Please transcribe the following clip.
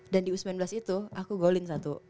dan di u sembilan belas itu aku goal in satu